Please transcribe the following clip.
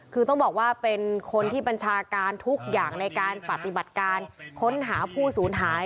คือต้องบอกว่าเป็นคนที่บัญชาการทุกอย่างในการปฏิบัติการค้นหาผู้สูญหาย